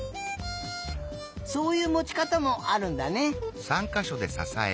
そういうもちかたもあるんだね。